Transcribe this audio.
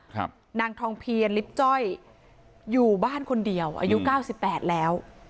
นางทองเพียรลิฟต์จ้อยอยู่บ้านคนเดียวอายุเก้าสิบแปดแล้ว